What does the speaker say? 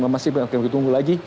masih kita tunggu lagi